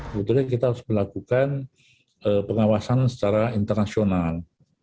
sebetulnya kita harus melakukan pengawasan secara internasional